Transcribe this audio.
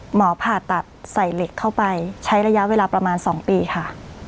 ผ่าตัดใส่เหล็กเข้าไปใช้ระยะเวลาประมาณ๒ปีค่ะ